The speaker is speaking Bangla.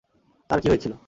তার কী হয়েছিল?